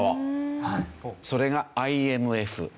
それがＩＭＦ？